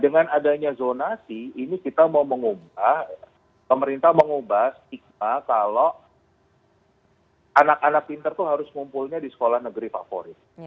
dengan adanya zonasi ini kita mau mengubah pemerintah mengubah stigma kalau anak anak pinter itu harus ngumpulnya di sekolah negeri favorit